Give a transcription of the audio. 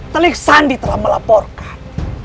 telik sandi telah melaporkan